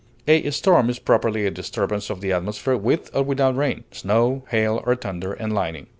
A storm is properly a disturbance of the atmosphere, with or without rain, snow, hail, or thunder and lightning.